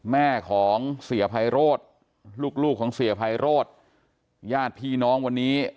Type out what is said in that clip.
แม่ของเสียไพโรธลูกลูกของเสียไพโรธญาติพี่น้องวันนี้